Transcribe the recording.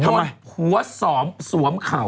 โดนผัวสองสวมเขา